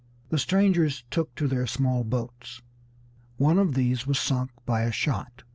The strangers took to their small boats. One of these was sunk by a shot.